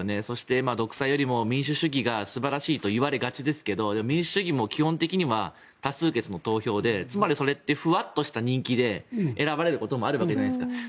そして、独裁よりも民主主義がいいと言われがちですけど民主主義も基本的には多数決の投票でつまり、それってふわっとした人気で選ばれることもあるわけじゃないですか。